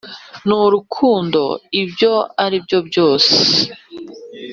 n'urukundo ibyo aribyo byose,